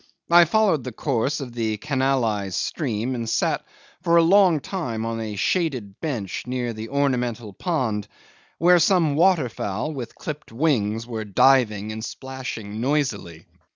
I followed the course of the canalised stream, and sat for a long time on a shaded bench near the ornamental pond, where some waterfowl with clipped wings were diving and splashing noisily.